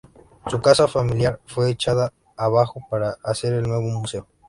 Su casa familiar fue echada abajo para hacer el nuevo museo.